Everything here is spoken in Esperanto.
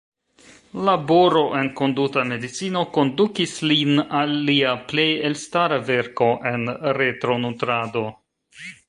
Laboro en konduta medicino kondukis lin al lia plej elstara verko en retronutrado.